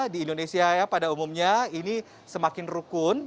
di indonesia ya pada umumnya ini semakin rukun